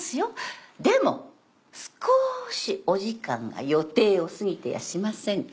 でも少しお時間が予定を過ぎてやしませんか？